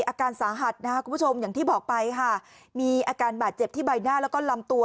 อาการสาหัสนะคะคุณผู้ชมอย่างที่บอกไปค่ะมีอาการบาดเจ็บที่ใบหน้าแล้วก็ลำตัว